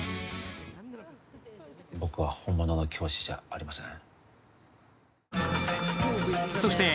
僕は本物の教師じゃありません。